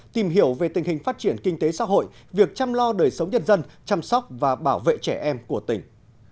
tìm hiểu về tình hình phát triển kinh tế xã hội việc chăm lo đời sống nhân dân chăm sóc và bảo vệ trẻ em của tỉnh